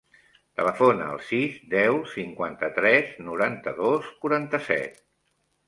Telefona al sis, deu, cinquanta-tres, noranta-dos, quaranta-set.